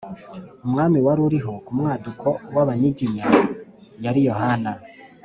umwami wari uriho ku mwaduko w'abanyiginya yari yohana